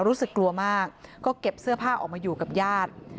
รู้สึกกลัวมากก็เก็บเสื้อผ้าออกมาอยู่กับญาติ